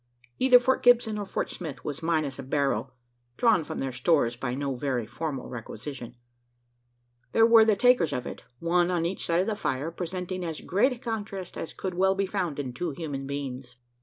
Either Fort Gibson or Fort Smith was minus a barrow, drawn from their stores by no very formal requisition. There were the takers of it one on each side of the fire presenting as great a contrast as could well be found in two human beings.